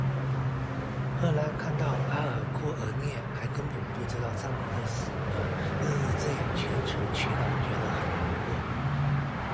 赫拉看到阿尔库俄涅还根本不知道丈夫的死而日日这样虔诚祈祷觉得很难过。